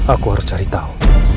aku harus cari tahu